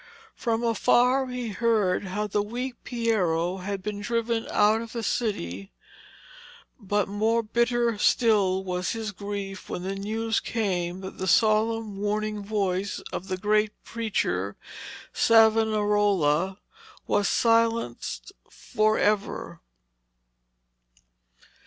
From afar he heard how the weak Piero had been driven out of the city, but more bitter still was his grief when the news came that the solemn warning voice of the great preacher Savonarola was silenced for ever.